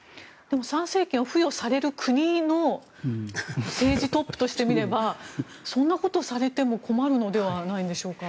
参政権を付与される国の政治トップとしてみればそんなことされても困るのではないんでしょうか？